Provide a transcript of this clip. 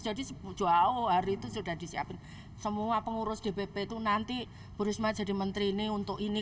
jadi sebuah hari itu sudah disiapin semua pengurus dpp itu nanti burisma jadi menteri ini untuk ini